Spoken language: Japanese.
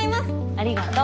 ありがとう。